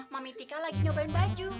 mami tika lagi nyobain baju